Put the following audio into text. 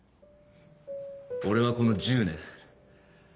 俺はこの１０年。